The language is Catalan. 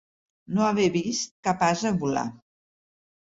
No haver vist cap ase volar.